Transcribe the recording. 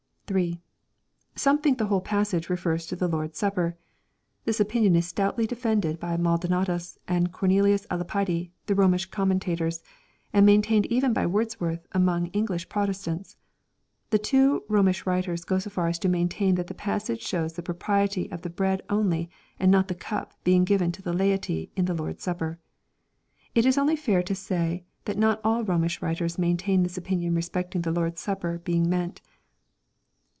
3. Some think that the whole passage refers to the Lord's Sup per. This opinion is stoutly defended by Maldonatus and Corne lius ^ Lapide, the Romish commentators, and maintained even by Wordsworth among modem English Protestants. — The two Rom ish writers go so far as to maintain that the passage shows the propriety of the bread only and not the cup being given to the laity in the Lord's Supper. It is only fair to say that not all Rom ish writers maintain this opinion respecting the Lord's Supper be ing meant.